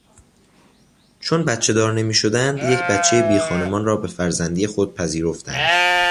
چون بچهدار نمیشدند یک بچه بیخانمان را به فرزندی خود پذیرفتند.